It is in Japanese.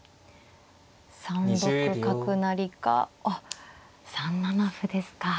３六角成かあっ３七歩ですか。